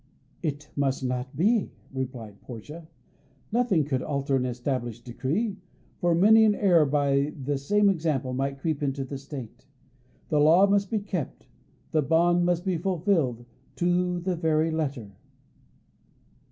"It must not be," replied Portia. Nothing could alter an established decree, for many an error by the same example might creep into the State. The law must be kept; the bond must be fulfilled to the very letter.